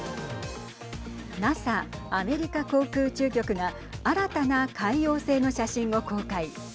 ＮＡＳＡ＝アメリカ航空宇宙局が新たな海王星の写真を公開。